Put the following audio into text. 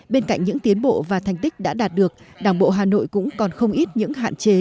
bên cạnh những tiến bộ và thành tích đã đạt được đảng bộ hà nội cũng còn không ít những hạn chế